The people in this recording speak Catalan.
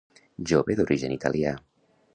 Jove d'origen italià.